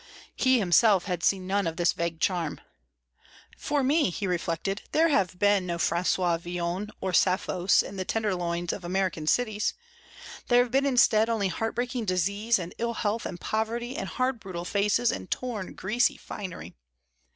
He himself had seen none of this vague charm. "For me," he reflected, "there have been no François Villons or Sapphos in the tenderloins of American cities. There have been instead only heart breaking disease and ill health and poverty, and hard brutal faces and torn, greasy finery."